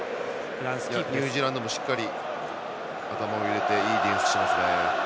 ニュージーランドもしっかり頭を入れていいディフェンスしてます。